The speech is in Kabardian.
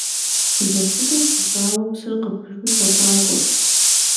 Хъыджэбз цӀыкӀур пӀыщӀауэ, псыр къыпыжу кӀэкуакуэрт.